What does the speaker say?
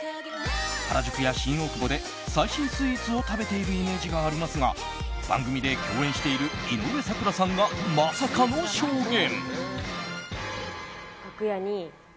原宿や新大久保で最新スイーツを食べているイメージがありますが番組で共演している井上咲楽さんがまさかの証言。